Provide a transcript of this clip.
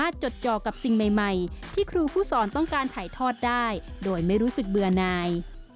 ที่ครูผู้สอนต้องการถ่ายถอดได้โดยไม่รู้สึกเบือนาย